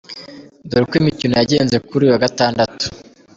Dore uko imikino yagenze kuri uyu wagatandatu.